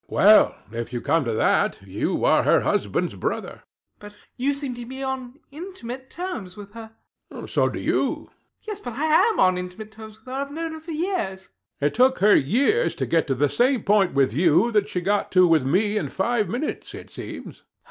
Well, if you come to that, you are her husband's brother. RANDALL. But you seem to be on intimate terms with her. HECTOR. So do you. RANDALL. Yes: but I AM on intimate terms with her. I have known her for years. HECTOR. It took her years to get to the same point with you that she got to with me in five minutes, it seems.